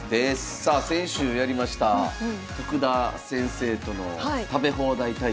さあ先週やりました徳田先生との食べ放題対局